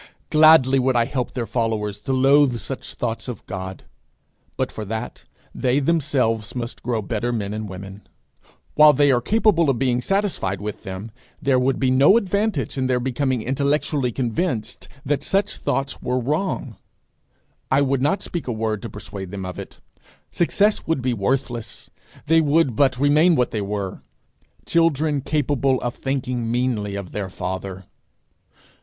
Gladly would I help their followers to loathe such thoughts of God; but for that, they themselves must grow better men and women. While they are capable of being satisfied with them, there would be no advantage in their becoming intellectually convinced that such thoughts were wrong. I would not speak a word to persuade them of it. Success would be worthless. They would but remain what they were children capable of thinking meanly of their father.